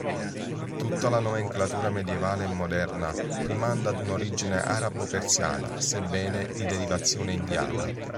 Tutta la nomenclatura medievale e moderna rimanda ad un’origine arabo-persiana, sebbene di derivazione indiana.